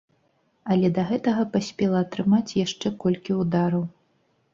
Але да гэтага паспела атрымаць яшчэ колькі ўдараў.